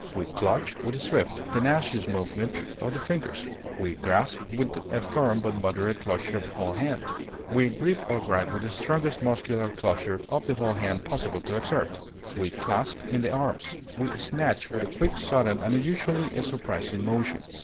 We clutch with a swift, tenacious movement of the fingers; we grasp with a firm but moderate closure of the whole hand; we grip or gripe with the strongest muscular closure of the whole hand possible to exert. We clasp in the arms. We snatch with a quick, sudden, and usually a surprising motion.